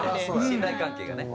信頼関係がね。